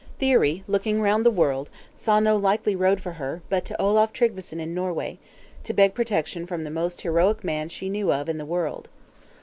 Thyri, looking round the world, saw no likely road for her, but to Olaf Tryggveson in Norway; to beg protection from the most heroic man she knew of in the world.